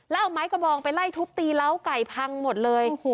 แล้วเอาไม้กระบองไปไล่ทุบตีเล้าไก่พังหมดเลย